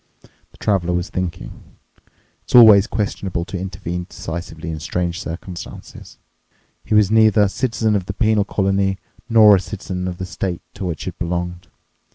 The Traveler was thinking: it's always questionable to intervene decisively in strange circumstances. He was neither a citizen of the penal colony nor a citizen of the state to which it belonged.